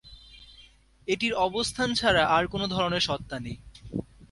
এটির অবস্থান ছাড়া আর কোন ধরনের সত্তা নেই।